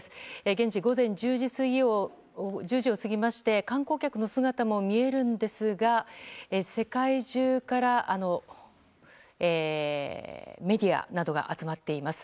現地、午前１０時を過ぎまして観光客の姿も見えるんですが世界中からメディアなどが集まっています。